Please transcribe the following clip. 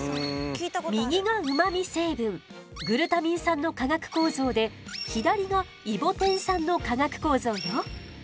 右がうまみ成分グルタミン酸の化学構造で左がイボテン酸の化学構造よ。